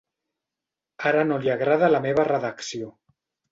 Ara no li agrada la meva redacció.